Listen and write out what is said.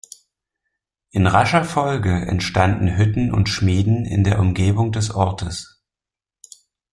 In rascher Folge entstanden Hütten und Schmieden in der Umgebung des Ortes.